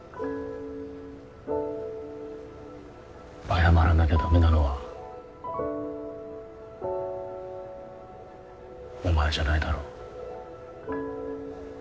謝らなきゃダメなのはお前じゃないだろ。